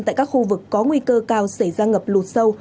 tại các khu vực có nguy cơ cao xảy ra ngập lụt sâu